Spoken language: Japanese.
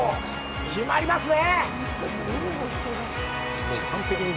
決まりますね。